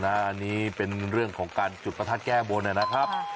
อันนี้เป็นเรื่องของการจุดประทัดแก้บนนะครับ